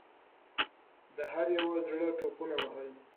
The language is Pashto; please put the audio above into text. د هر یوه زړه ټوپونه وهل.